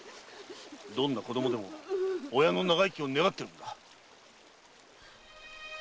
どんな子供でも親の長生きを願ってるんだ。